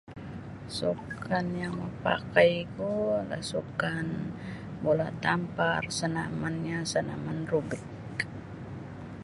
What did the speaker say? Sukan yang mapakaiku ialah sukan bula' tampar senamannyo senaman robik